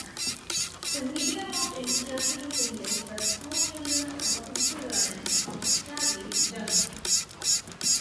The medium of instruction is English, but all children above Kindergarten must study German.